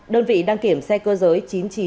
đơn vị đăng kiểm xe cơ giới